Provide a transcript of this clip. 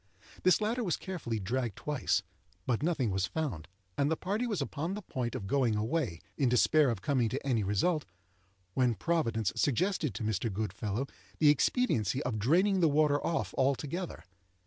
This latter was carefully dragged twice, but nothing was found; and the party was upon the point of going away, in despair of coming to any result, when Providence suggested to Mr. Goodfellow the expediency of draining the water off altogether.